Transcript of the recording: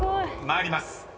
［参ります］